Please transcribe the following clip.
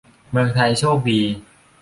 เมืองไทยโชคดี